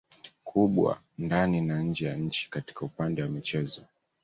kubwa ndani na nje ya nchi katika upande wa michezo